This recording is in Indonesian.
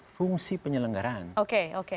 fungsi penyelenggaraan oke oke